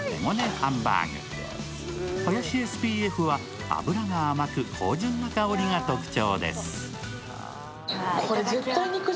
ハンバーグ林ＳＰＦは脂が甘く芳じゅんな香りが特徴です。